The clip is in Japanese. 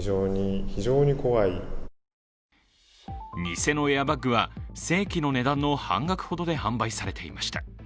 偽のエアバッグは正規の値段の半額ほどで販売されていました。